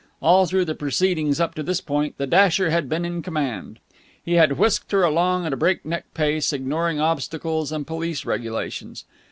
All through the proceedings up to this point the dasher had been in command. He had whisked her along at a break neck pace, ignoring obstacles and police regulations.